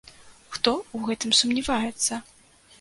Хто ў гэтым сумняваецца?